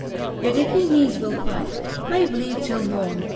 Yet if he needes will fight, crave leave till morne.